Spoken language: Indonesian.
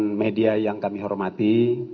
rekan rekan media yang kami hormati